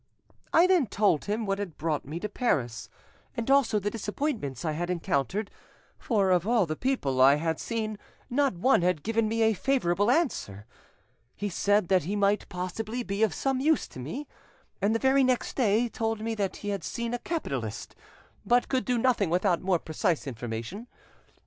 I then told him what had brought me to Paris, and also the disappointments I had encountered, for of all the people I had seen not one had given me a favourable answer. He said that he might possibly be of some use to me, and the very next day told 'me that he had seen a capitalist, but could do nothing without more precise information.